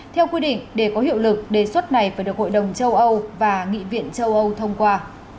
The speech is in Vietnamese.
theo quy định để có hiệu lực đề xuất này phải được hội đồng châu âu và nghị viện châu âu thông qua